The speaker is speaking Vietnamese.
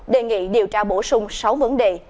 đề nghị điều tra bổ sung sáu vấn đề